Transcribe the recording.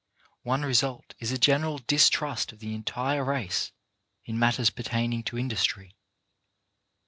One result is a general distrust of the entire race in matters per taining to industry.